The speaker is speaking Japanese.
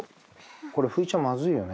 これ拭いちゃまずいよね？